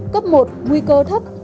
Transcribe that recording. cấp một nguy cơ thấp